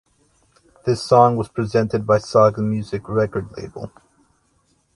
This song was presented by Saga Music record label.